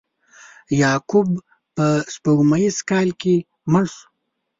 یعقوب په سپوږمیز کال کې مړ شو.